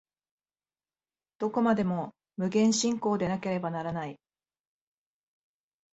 どこまでも無限進行でなければならない。